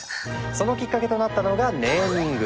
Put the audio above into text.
そのきっかけとなったのがネーミング！